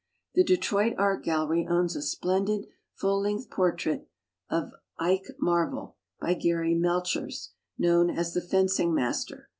The Detroit Art Gallery owns a splendid, full length portrait of "Ik Marvel" by Gari Melchers, known as "The Fencing Master".